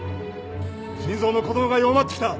心臓の鼓動が弱まってきた。